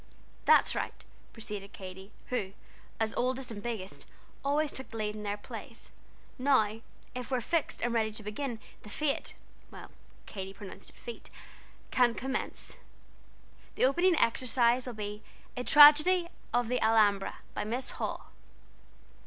"That's right," proceeded Katy, who, as oldest and biggest, always took the lead in their plays. "Now if we're fixed and ready to begin, the Fête (Katy pronounced it Feet) can commence. The opening exercise will be 'A Tragedy of the Alhambra,' by Miss Hall."